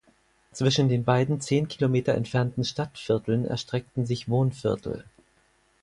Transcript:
Zwischen den beiden zehn Kilometer entfernten Stadtvierteln erstreckten sich Wohnviertel.